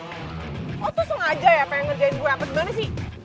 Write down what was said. lo tuh sengaja ya pengen ngerjain gue apa gimana sih